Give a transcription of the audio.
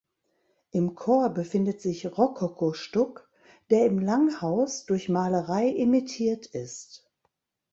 Im Chor befindet sich Rokokostuck, der im Langhaus durch Malerei imitiert ist.